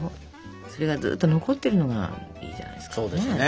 それがずっと残ってるのがいいじゃないですかね。